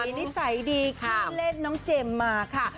น้องที่สายดีค่ะเล่นน้องเจมมาค่ะ